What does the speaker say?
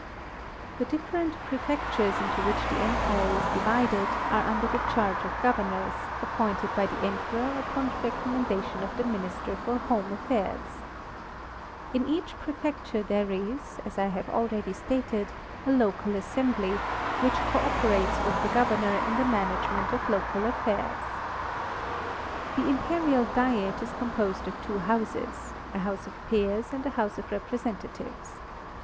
The different prefectures into which the empire is divided are under the charge of governors, appointed by the Emperor upon the recommendation of the minister for home affairs. In each prefecture there is, as I have already stated, a local assembly, which codperates with the governor in the management of local affairs. The imperial diet is composed of two houses, a house of peers and a house of representatives.